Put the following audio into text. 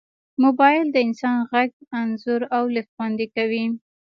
موبایل د انسان غږ، انځور، او لیک خوندي کوي.